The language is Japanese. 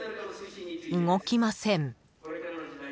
動きません。